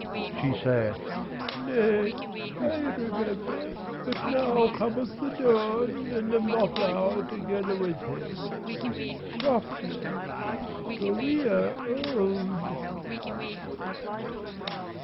She saith: "Nay, I remember, but now Cometh the Dawn, and the Moth Hour Together with him; softly For we are old."